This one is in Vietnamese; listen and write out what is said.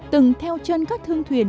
từng theo chân các thương thuyền